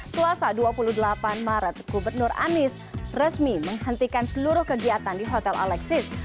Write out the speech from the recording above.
selasa dua puluh delapan maret gubernur anies resmi menghentikan seluruh kegiatan di hotel alexis